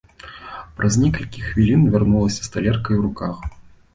Праз некалькі хвілін вярнулася з талеркай у руках.